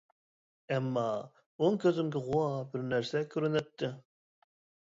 ئەمما، ئوڭ كۆزۈمگە غۇۋا بىر نەرسە كۆرۈنەتتى.